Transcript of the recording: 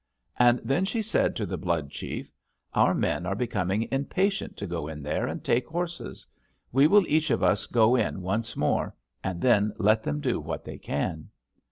And then she said to the Blood chief: 'Our men are becoming impatient to go in there and take horses. We will each of us go in once more, and then let them do what they can.'